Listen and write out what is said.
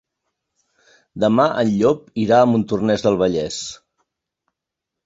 Demà en Llop irà a Montornès del Vallès.